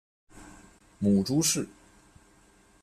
母朱氏。